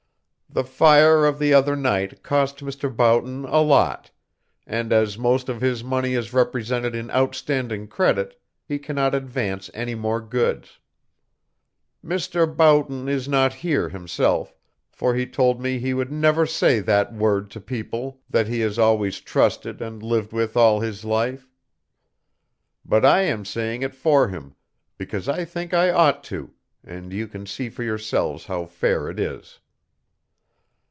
The fire of the other night cost Mr. Boughton a lot, and, as most of his money is represented in outstanding credit, he cannot advance any more goods. "Mr. Boughton is not here himself, for he told me he would never say that word to people he has always trusted and lived with all his life. But I am saying it for him because I think I ought to, and you can see for yourselves how fair it is.